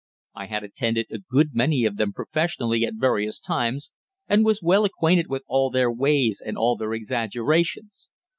I had attended a good many of them professionally at various times, and was well acquainted with all their ways and all their exaggerations.